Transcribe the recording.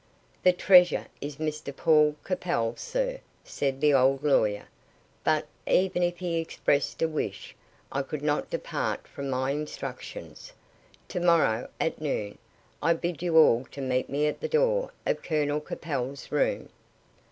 "The treasure is Mr Paul Capel's, sir," said the old lawyer; "but, even if he expressed a wish, I could not depart from my instructions. To morrow, at noon, I bid you all to meet me at the door of Colonel Capel's room."